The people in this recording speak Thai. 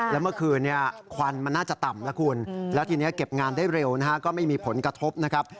แล้วเมื่อคืนควันมันน่าจะต่ำนะคุณแล้วทีนี้เก็บงานได้เร็วนะฮะก็ไม่มีผลกระทบนะครับ